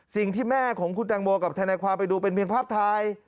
สิ่งที่แม่ของคุณแตงโมกับทนายความไปดูเป็นเพียงภาพถ่าย